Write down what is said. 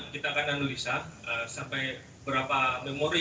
kita akan analisa sampai berapa memori